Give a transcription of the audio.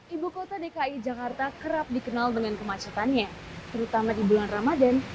ibu kota dki jakarta kerap dikenal dengan kemacetannya terutama di bulan ramadan